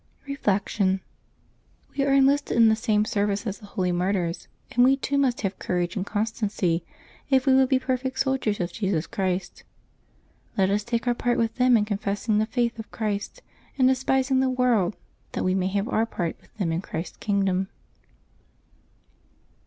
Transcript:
Reflection. — We are enlisted in the same service as the holy martyrs, and we too must have courage and con stancy if we would be perfect soldiers of Jesus Christ. Let us take our part with them in confessing the faith of Christ and despising the world, that w^e may have our part with them in Christ's kingdom.